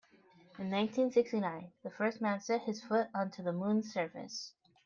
In nineteen-sixty-nine the first man set his foot onto the moon's surface.